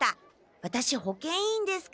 ワタシ保健委員ですから。